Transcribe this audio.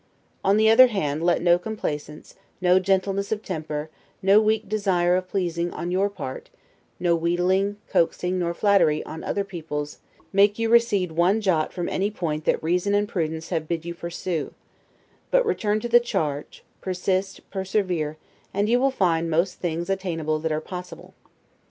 On the other hand, let no complaisance, no gentleness of temper, no weak desire of pleasing on your part, no wheedling, coaxing, nor flattery, on other people's, make you recede one jot from any point that reason and prudence have bid you pursue; but return to the charge, persist, persevere, and you will find most things attainable that are possible.